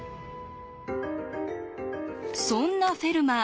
そんなフェルマー